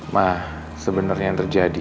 ma sebenernya yang terjadi